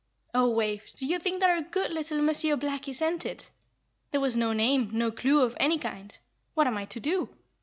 "Oh, Wave, do you think that our good little Monsieur Blackie sent it? There was no name, no clue of any kind. What am I to do?